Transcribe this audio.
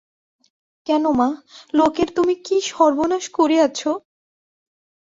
কেন মা, লোকের তুমি কী সর্বনাশ করিয়াছ?